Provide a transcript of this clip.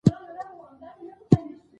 ملک صادق سانتیاګو ته دوه ډبرې ورکوي.